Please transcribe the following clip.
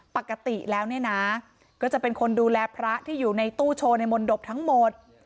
ปกติแล้วเนี่ยนะก็จะเป็นคนดูแลพระที่อยู่ในตู้โชว์ในมนตบทั้งหมด